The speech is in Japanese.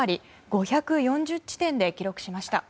５４０地点で記録しました。